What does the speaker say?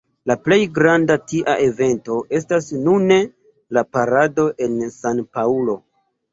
La plej granda tia evento estas nune la parado en San-Paŭlo.